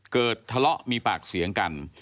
เกิดทะเลาะมีปากเสียงกัน